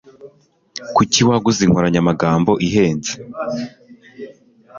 Kuki waguze inkoranyamagambo ihenze?